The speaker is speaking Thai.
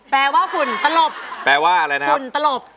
แปลว่าฝุ่นตะหลบ